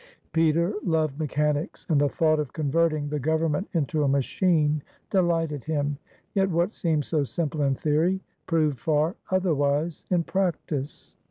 87 RUSSIA Peter loved mechanics, and the thought of converting the government into a machine delighted him. Yet what seemed so simple in theory, proved far otherwise in practice.